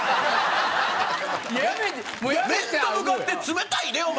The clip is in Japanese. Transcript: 面と向かって冷たいでお前。